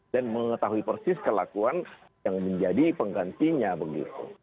dan mengetahui persis kelakuan yang menjadi penggantinya begitu